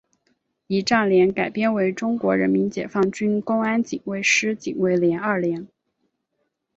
仪仗连改编为中国人民解放军公安警卫师警卫营二连。